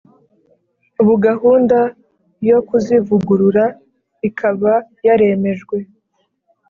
ubu gahunda yo kuzivugurura ikaba yaremejwe.